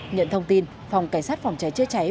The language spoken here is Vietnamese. nhận thông tin phòng cảnh sát phòng trái trợ cháy